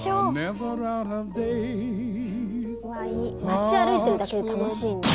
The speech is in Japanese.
街歩いてるだけで楽しいね。